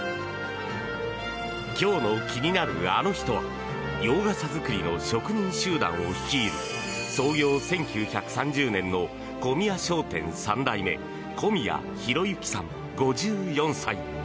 今日の気になるアノ人は洋傘作りの職人集団を率いる創業１９３０年の小宮商店３代目小宮宏之さん、５４歳。